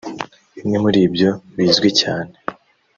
Bimwe muri byo bizwi cyane